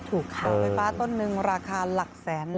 เสาไฟฟ้าต้นหนึ่งราคาหลักแสน